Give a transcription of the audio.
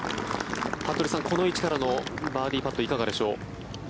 服部さん、この位置からのバーディーパットいかがでしょう。